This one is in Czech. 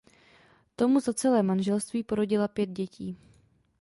Tomu za celé manželství porodila pět dětí.